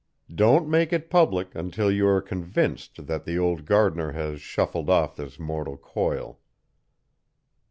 Don't make it public until you are convinced that the old gardener has shuffled off this mortal coil."